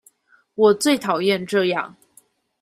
我最討厭這樣